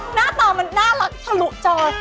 หน้าตามันน่ารักทะลุจอ